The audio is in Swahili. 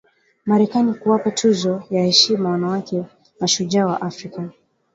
Marekani kuwapa tuzo ya heshima wanawake mashujaa wa Afrika